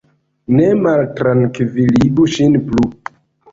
Ne maltrankviligu ŝin plu!